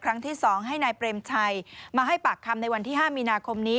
ครั้งที่๒ให้นายเปรมชัยมาให้ปากคำในวันที่๕มีนาคมนี้